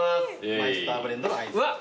マイスターブレンドのアイスでございます。